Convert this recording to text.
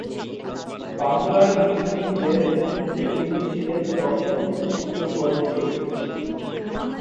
বাংলার মুসলিমদের মধ্যে তিনি ছিলেন প্রথম চিত্র প্রযোজক।